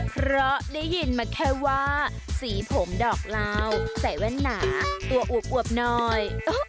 เพราะได้ยินมาแค่ว่าสีผมดอกลาวใส่แว่นหนาตัวอวบหน่อย